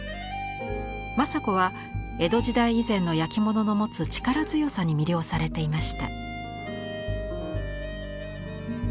正子は江戸時代以前の焼き物の持つ力強さに魅了されていました。